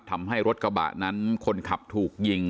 ทำให้รถกระบะนั้นคนขับถูกยิง